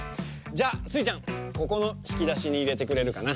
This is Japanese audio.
じゃあスイちゃんここのひきだしにいれてくれるかな。